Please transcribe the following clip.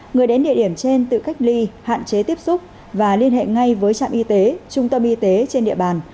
người đến địa điểm trên tự cách ly hạn chế tiếp xúc và liên hệ ngay với trạm y tế trung tâm y tế trên địa bàn